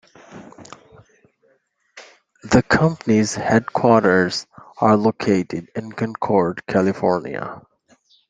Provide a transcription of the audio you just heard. The company's headquarters are located in Concord, California.